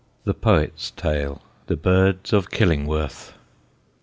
THE POET'S TALE. THE BIRDS OF KILLINGWORTH.